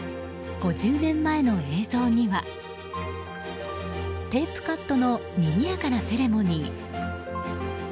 ５０年前の映像にはテープカットのにぎやかなセレモニー。